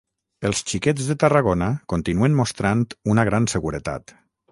Els Xiquets de Tarragona continuen mostrant una gran seguretat